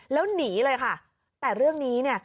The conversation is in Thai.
แล้วหนีเลยค่ะแต่เรื่องนี้เนี่ย